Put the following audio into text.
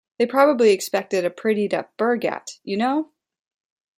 They probably expected a prettied-up "Bergtatt", you know?